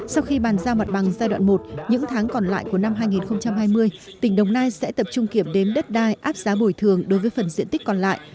sau khi bàn giao mặt bằng giai đoạn một những tháng còn lại của năm hai nghìn hai mươi tỉnh đồng nai sẽ tập trung kiểm đếm đất đai áp giá bồi thường đối với phần diện tích còn lại